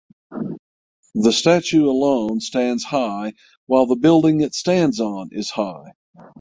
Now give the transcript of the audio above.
The statue alone stands high while the building it stands on is high.